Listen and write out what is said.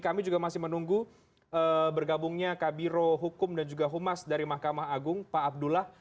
kami juga masih menunggu bergabungnya kabiro hukum dan juga humas dari mahkamah agung pak abdullah